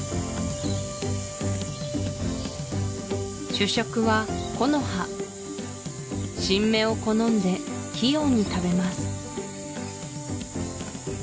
主食は木の葉新芽を好んで器用に食べます